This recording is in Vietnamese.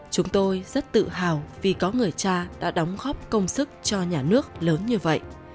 chúng tôi rất tự hào vì có người cha đã đóng góp công sức cho nhà nước lớn như vậy